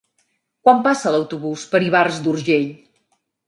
Quan passa l'autobús per Ivars d'Urgell?